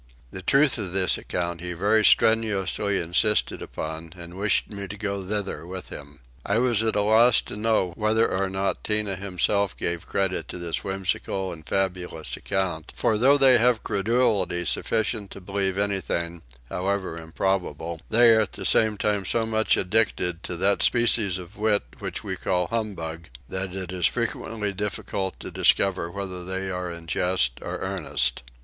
The truth of this account he very strenuously insisted upon and wished me to go thither with him. I was at a loss to know whether or not Tinah himself gave credit to this whimsical and fabulous account; for though they have credulity sufficient to believe anything, however improbable, they are at the same time so much addicted to that species of wit which we call humbug that it is frequently difficult to discover whether they are in jest or earnest.